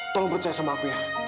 tolong percaya sama aku ya